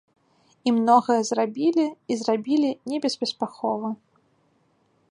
І многае зрабілі, і зрабілі небеспаспяхова.